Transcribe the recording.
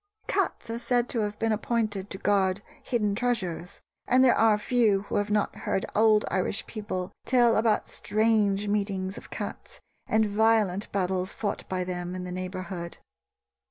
Cats are said to have been appointed to guard hidden treasures; and there are few who have not heard old Irish people tell about strange meetings of cats and violent battles fought by them in the neighborhood.